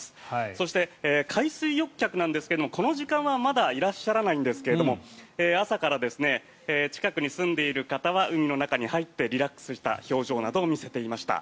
そして、海水浴客なんですがこの時間はまだいらっしゃらないんですが朝から近くに住んでいる方は海の中に入ってリラックスした表情などを見せていました。